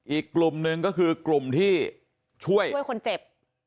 อีกกลุ่มหนึ่งก็คือกลุ่มที่ช่วยช่วยคนเจ็บ